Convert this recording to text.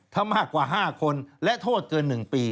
ถ้ามากกว่า๕คนและโทษเกิน๑ปี